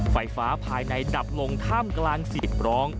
ไฟฟ้าภายในดับลงท่ามกลางเสียงร้อง